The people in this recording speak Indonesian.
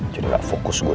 jadi gak fokus gue